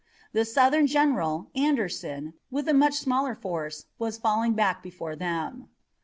The Southern general, Anderson, with a much smaller force, was falling back before them.